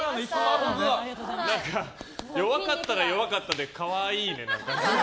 弱かったら弱かったで可愛いね。